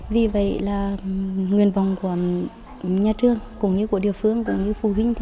vì vậy là nguyện vọng của nhà trường cũng như của địa phương cũng như phụ huynh